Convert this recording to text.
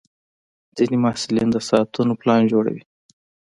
ځینې محصلین د ساعتونو پلان جوړوي.